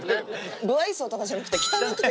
無愛想とかじゃなくて。